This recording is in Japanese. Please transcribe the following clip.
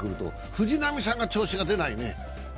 藤浪さんが調子が出ないね。